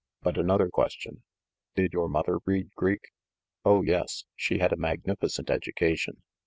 But another question: Did your mother read Greek?" "Oh, yes, she had a magnificent education."